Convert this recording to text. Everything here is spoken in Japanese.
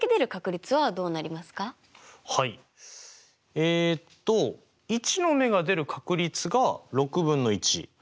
えっと１の目が出る確率が６分の１。